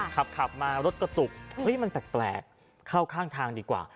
ค่ะครับมารถกระตุกเฮ้ยมันแปลกแปลกเข้าข้างทางดีกว่า